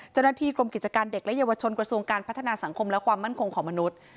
เจ้าหน้าที่กรมกิจการเด็กและเยาวชนกระทรวงการพัฒนาสังคมและความมั่นคงของมนุษย์